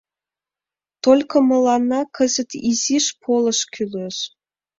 Только мыланна кызыт изиш полыш кӱлеш.